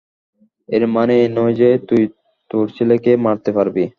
এর মানে এই নয় যে, তুই তোর ছেলেকে মারতে পারবি।